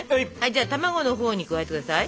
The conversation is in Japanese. じゃあ卵のほうに加えて下さい。